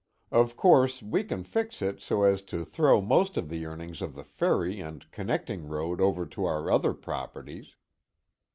Of course, we can fix it so as to throw most of the earnings of the ferry and connecting road over to our other properties.